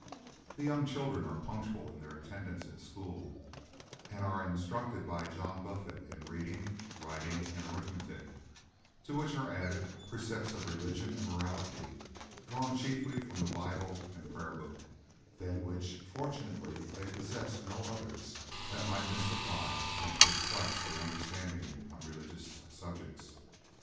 The young children are punctual in their attendance at school, and are instructed by John Buffet in reading, writing, and arithmetic; to which are added, precepts of religion and morality, drawn chiefly from the Bible and Prayer Book; than which, fortunately, they possess no others that might mystify and perplex their understandings on religious subjects.